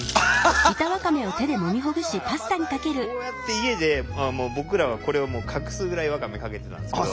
こうやって家でもう僕らはこれを隠すぐらいわかめかけてたんですけど。